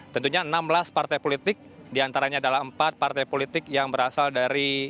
tentunya enam belas partai politik diantaranya adalah empat partai politik yang berasal dari